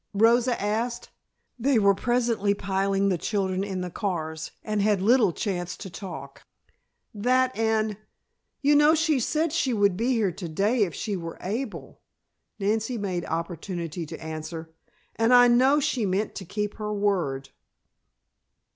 Rosa asked. They were presently piling the children in the cars and had little chance to talk. "That and you know she said she would be here to day if she were able," Nancy made opportunity to answer. "And I know she meant to keep her word."